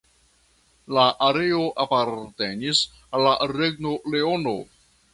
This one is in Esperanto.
La areo apartenis al la Regno Leono.